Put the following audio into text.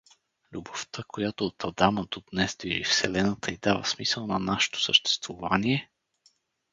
Любовта, която от Адама до днес движи вселената и дава смисъл на нашето съществувание?